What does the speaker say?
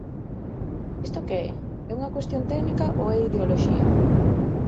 ¿Isto que é?, ¿é unha cuestión técnica ou é ideoloxía?